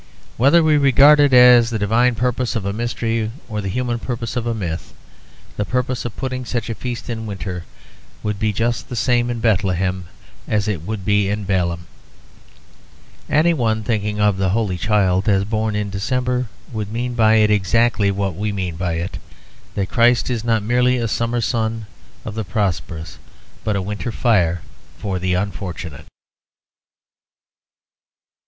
Whether we regard it as the divine purpose of a mystery or the human purpose of a myth, the purpose of putting such a feast in winter would be just the same in Bethlehem as it would be in Balham. Any one thinking of the Holy Child as born in December would mean by it exactly what we mean by it; that Christ is not merely a summer sun of the prosperous but a winter fire for the unfortunate.